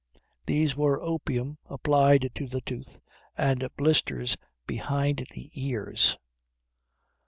These were opium applied to the tooth, and blisters behind the ears.